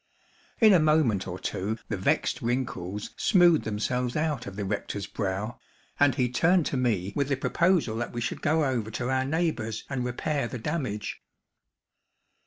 In a moment or two the vexed wrinkles smoothed themselves out of the rector's brow, and he turned to me with the proposal that we should go over to our neighbor's and repair the damage.